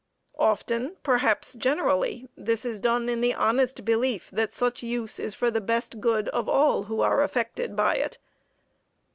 Often, perhaps generally, this is done in the honest belief that such use is for the best good of all who are affected by it.